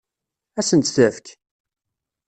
Ad sen-tt-tefk?